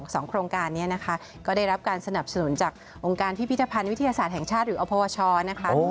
สองโครงการนี้นะคะก็ได้รับการสนับสนุนจากองค์การพิพิธภัณฑ์วิทยาศาสตร์แห่งชาติหรืออพวชนะคะ